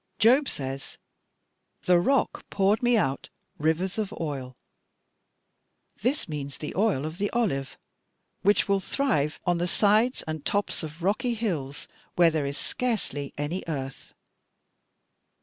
Job says, 'The rock poured me out rivers of oil;' this means the oil of the olive, which will thrive on the sides and tops of rocky hills where there is scarcely any earth.